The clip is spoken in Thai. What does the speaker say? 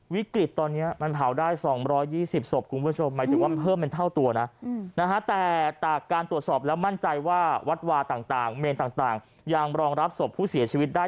วิกฤตตอนนี้มันเผาได้๒๒๐ศพคุณผู้ชมหมายถึงว่าเพิ่มเป็นเท่าตัวนะแต่จากการตรวจสอบแล้วมั่นใจว่าวัดวาต่างเมนต่างยังรองรับศพผู้เสียชีวิตได้